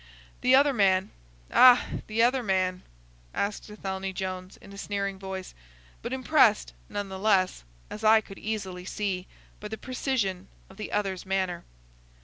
The other man—" "Ah! the other man—?" asked Athelney Jones, in a sneering voice, but impressed none the less, as I could easily see, by the precision of the other's manner.